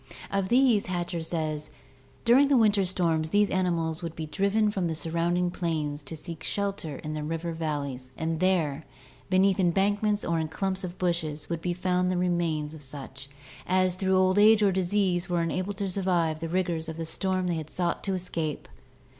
Of these Hatcher says: "During the winter storms these animals would be driven from the surrounding plains to seek shelter in the river valleys and there, beneath embankments or in clumps of bushes, would be found the remains of such as, through old age or disease, were unable to survive the rigors of the storm they had sought to escape."